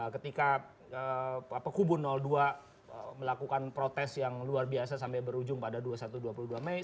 ketika kubu dua melakukan protes yang luar biasa sampai berujung pada dua puluh satu dua puluh dua mei